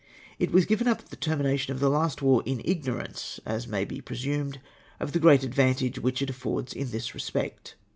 It was given up at the termination of the last war in ignorance — as may be presumed — of the great advantage which it affords in this respect.